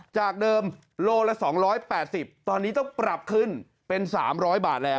จากเดิมโลละ๒๘๐ตอนนี้ต้องปรับขึ้นเป็น๓๐๐บาทแล้ว